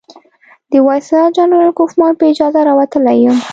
د وایسرا جنرال کوفمان په اجازه راوتلی یم.